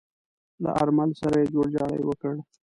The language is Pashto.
له آرمل سره يې جوړجاړی وکړ.